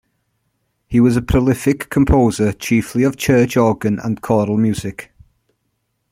He was a prolific composer, chiefly of church organ and choral music.